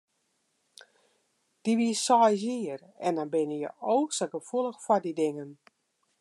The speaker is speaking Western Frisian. Dy wie seis jier en dan binne je o sa gefoelich foar dy dingen.